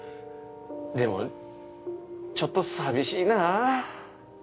でもちょっと寂しいな。